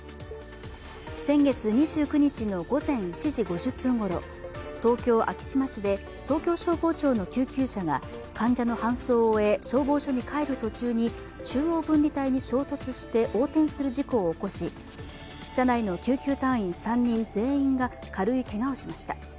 先月２９日の午前１時５０分ごろ、東京・昭島市で東京消防庁の救急車が患者の搬送を終え、消防署に帰る途中に中央分離帯に衝突して横転する事故を起こし車内の救急隊員３人全員が軽いけがをしました。